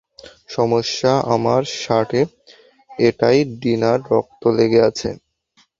সমস্যা আমার শার্টে, এটায় ডিনার রক্ত লেগে আছে!